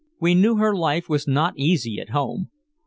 We knew her life was not easy at home.